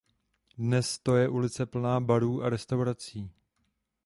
Dnes to je ulice plná barů a restaurací.